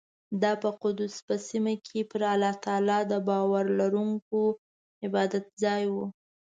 دا په قدس په سیمه کې پر الله تعالی د باور لرونکو عبادتځای و.